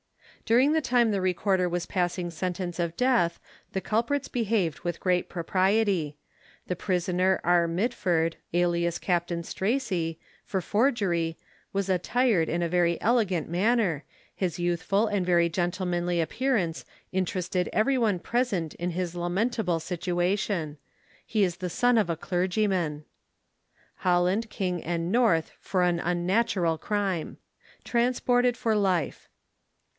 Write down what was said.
During the time the Recorder was passing sentence of death, the culprits behaved with great propriety. The prisoner, R. Mitford, alias Captain Stracey, for forgery, was attired in a very elegant manner, his youthful and very gentlemanly appearance interested every one present in his lamentable situation. He is the son of a Clergyman. Holland, King, and North for an unnatural crime. TRANSPORTED FOR LIFE.